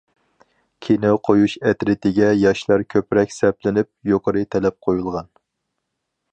كىنو قويۇش ئەترىتىگە ياشلار كۆپرەك سەپلىنىپ، يۇقىرى تەلەپ قويۇلغان.